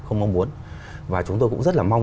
không mong muốn và chúng tôi cũng rất là mong